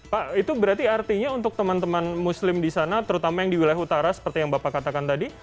pak itu berarti artinya untuk teman teman muslim di sana terutama yang di wilayah utara seperti yang bapak katakan tadi